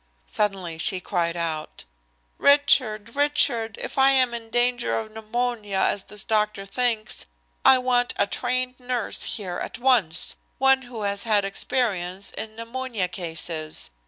Suddenly she cried out, "Richard! Richard, if I am in danger of pneumonia, as this doctor thinks, I want a trained nurse here at once, one who has had experience in pneumonia cases.